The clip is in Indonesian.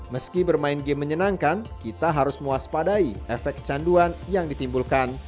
meski bermain game menyenangkan kita harus mewaspadai efek kecanduan yang ditimbulkan